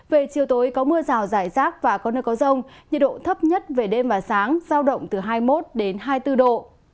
về chiều tối có mưa rào rải rác và có nơi có rông nhiệt độ thấp nhất về đêm và sáng giao động từ hai mươi một hai mươi bốn độ